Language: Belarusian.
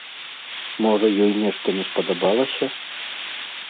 Можа, ёй нешта не спадабалася?